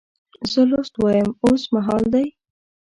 زه لوست وایم اوس مهال دی.